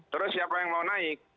terus siapa yang mau naik